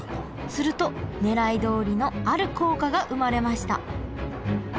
するとねらいどおりのある効果が生まれました。